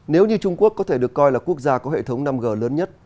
nếu như trung quốc có thể được coi là quốc gia có hệ thống năm g lớn nhất